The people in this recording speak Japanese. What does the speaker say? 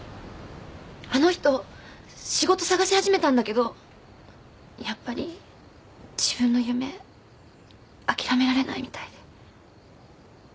あの人仕事探し始めたんだけどやっぱり自分の夢あきらめられないみたいで。